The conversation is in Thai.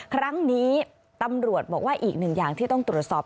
ครั้งนี้ตำรวจบอกว่าอีกหนึ่งอย่างที่ต้องตรวจสอบ